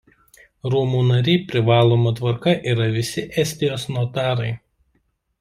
Rūmų nariai privaloma tvarka yra visi Estijos notarai.